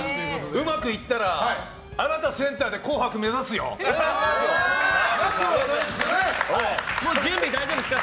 うまくいったらあなたセンターで準備大丈夫ですか？